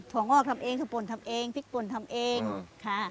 ถั่วงออกทำเองสะปร่นทำเองพริกปร่นทำเองค่ะ